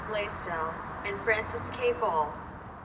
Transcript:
Blaisdell and Francis K. Ball.